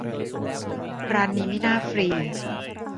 ร้านนี้ไม่น่าฟรี